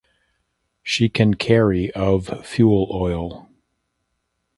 She can carry of fuel oil.